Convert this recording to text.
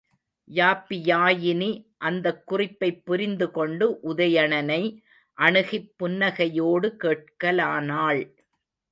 யாப்பியாயினி அந்தக் குறிப்பைப் புரிந்து கொண்டு உதயணனை அணுகிப் புன்னகையோடு கேட்கலானாள்.